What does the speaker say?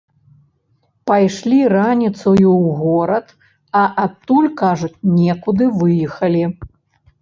Пайшлі раніцаю ў горад, а адтуль, кажуць, некуды выехалі.